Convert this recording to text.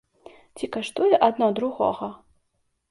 Ці каштуе адно другога?